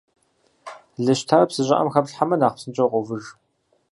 Лы щтар псы щӏыӏэм хэплъхьэмэ, нэхъ псынщӏэу къовыж.